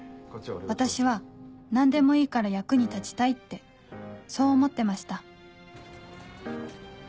私は何でもいいから役に立ちたいってそう思ってました